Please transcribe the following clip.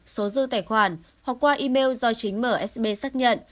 số dư tài khoản hoặc qua email do chính msb xác nhận